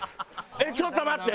えっちょっと待って！